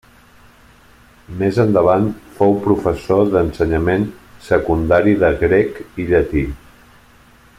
Més endavant fou professor d'ensenyament secundari de grec i llatí.